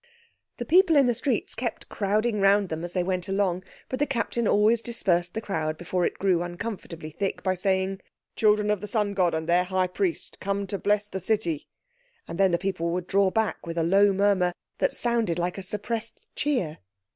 The people in the streets kept crowding round them as they went along, but the Captain always dispersed the crowd before it grew uncomfortably thick by saying— "Children of the Sun God and their High Priest—come to bless the City." And then the people would draw back with a low murmur that sounded like a suppressed cheer.